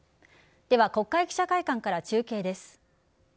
では国会記者会館から中継です。